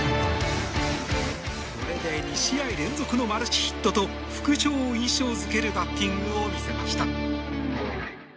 これで２試合連続のマルチヒットと復調を印象付けるバッティングを見せました。